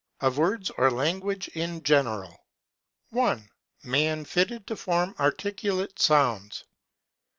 OF WORDS OR LANGUAGE IN GENERAL. 1. Man fitted to form articulated Sounds.